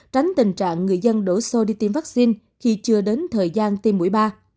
tránh tình trạng người dân đổ xô đi tiêm vaccine khi chưa đến thời gian tiêm mũi ba